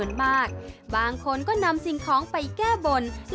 แต่ละวันค่ะก็จะมีประชาชนะอันงามที่เดินทางไปสักการะพระพุทธชินราช